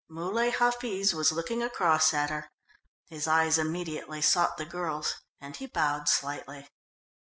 Muley Hafiz was looking across at her; his eyes immediately sought the girl's, and he bowed slightly.